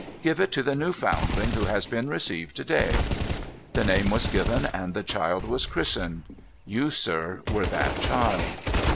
" Give it to the new foundling who has been received to day." The name was given, and the child was christened. You, sir, were that child.'